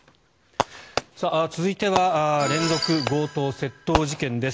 続いては連続強盗・窃盗事件です。